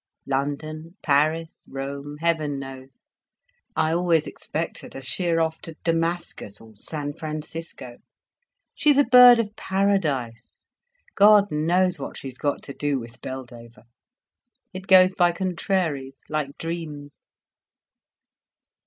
"London, Paris, Rome—heaven knows. I always expect her to sheer off to Damascus or San Francisco; she's a bird of paradise. God knows what she's got to do with Beldover. It goes by contraries, like dreams."